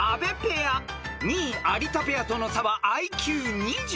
［２位有田ペアとの差はＩＱ２０］